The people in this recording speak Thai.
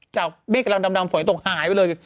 จากเบ๊กลำดำฝนตกหายไปเลย